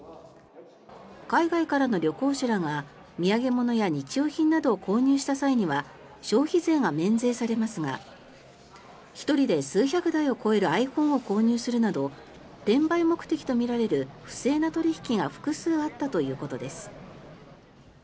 海外からの旅行者らが土産物や日用品などを購入した際には消費税が免税されますが１人で数百台を超えるｉＰｈｏｎｅを購入するなど転売目的とみられる不正な取引が複数あったということです。